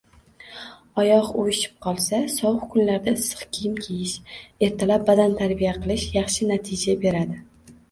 Oyoq uvishib qolsa, sovuq kunlarda issiq kiyim kiyish, ertalab badantarbiya qilish yaxshi natija beradi.